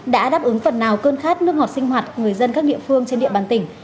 đã đáp ứng phần nào cơn khát nước ngọt sinh hoạt người dân các địa phương trên địa bàn tỉnh